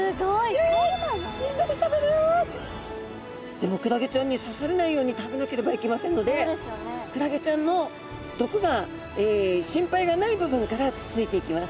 でもクラゲちゃんに刺されないように食べなければいけませんのでクラゲちゃんの毒が心配がない部分からつついていきます。